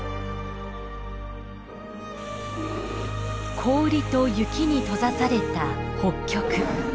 氷と雪に閉ざされた北極。